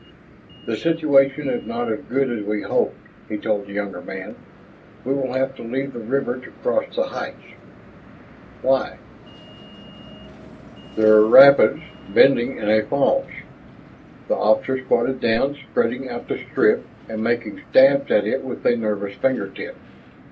"The situation is not as good as we hoped," he told the younger man. "Well have to leave the river to cross the heights." "Why?" "There're rapids bending in a falls." The officer squatted down, spreading out the strip and making stabs at it with a nervous finger tip.